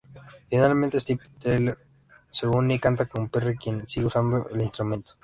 Finalmente, Steven Tyler se une, y canta con Perry quien sigue usando el instrumento.